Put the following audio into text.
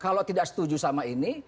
kalau tidak setuju sama ini